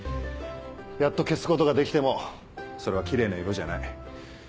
やっと消すことができてもそれはキレイな色じゃない。